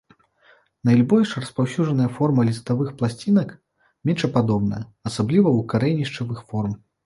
Найбольш распаўсюджаная форма ліставых пласцінак мечападобная, асабліва ў карэнішчавых форм.